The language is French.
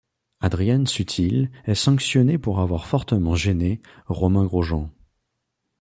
Adrian Sutil est sanctionné pour avoir fortement gêné Romain Grosjean.